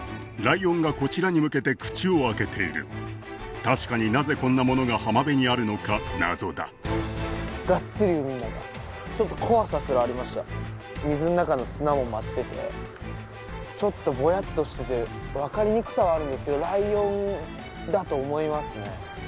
ライオンがこちらに向けて口を開けている確かになぜこんなものが浜辺にあるのか謎だちょっと水の中の砂も舞っててちょっとぼやっとしてて分かりにくさはあるんですけどライオンだと思いますね